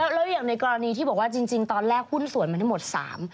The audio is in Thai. แล้วอย่างในกรณีที่บอกว่าจริงตอนแรกหุ้นส่วนมันทั้งหมดสาม